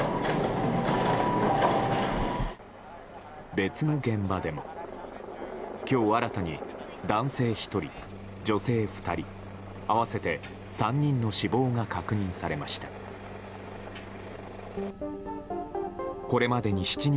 別の現場でも今日新たに男性１人、女性２人合わせて３人の死亡が確認されました。